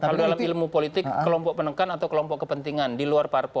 kalau dalam ilmu politik kelompok penekan atau kelompok kepentingan di luar parpol